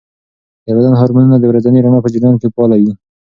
د بدن هارمونونه د ورځني رڼا په جریان کې فعاله وي.